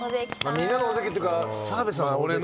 みんなの尾関っていうか澤部さんの。